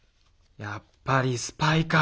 やっぱりスパイか。